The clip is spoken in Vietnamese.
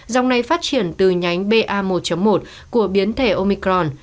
dòng này phát triển từ nhánh ba một của biến thể omicron